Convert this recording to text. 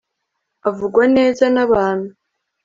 Avugwa neza nabantu